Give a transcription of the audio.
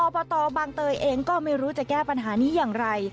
ตบางเตยเองก็ไม่รู้จะแก้ปัญหานี้อย่างไร